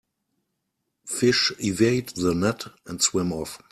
Fish evade the net and swim off.